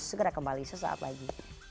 segera kembali sesaat lagi